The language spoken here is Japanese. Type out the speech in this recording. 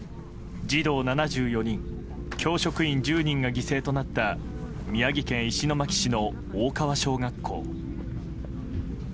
児童７４人、教職員１０人が犠牲となった宮城県石巻市の大川小学校。